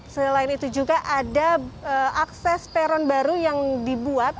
selain itu juga ada akses peron baru yang dibuat